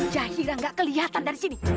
zahira nggak kelihatan dari sini